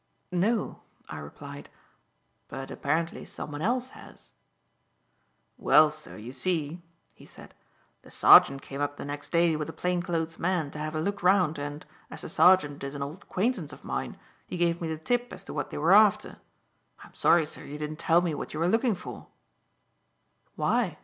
"No," I replied, "but apparently, someone else has." "Well, sir, you see," he said, "the sergeant came up the next day with a plain clothes man to have a look round, and, as the sergeant is an old acquaintance of mine, he gave me the tip as to what they were after. I am sorry, sir, you didn't tell me what you were looking for." "Why?"